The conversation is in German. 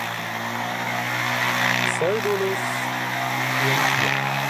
Pseudolus triumphiert.